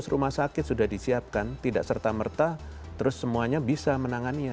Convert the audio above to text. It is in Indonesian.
seratus rumah sakit sudah disiapkan tidak serta merta terus semuanya bisa menangannya